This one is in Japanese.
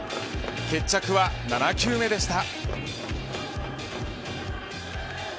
決着は７球目でした。